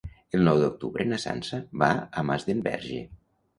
El nou d'octubre na Sança va a Masdenverge.